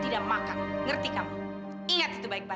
dari gak ada